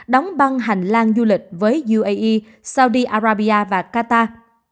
đóng băng hành lang du lịch với uae saudi arabia và qatar